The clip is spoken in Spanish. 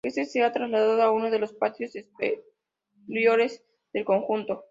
Éste se ha trasladado a uno de los patios exteriores del conjunto.